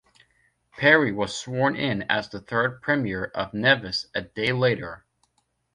Parry was sworn in as the third Premier of Nevis a day later.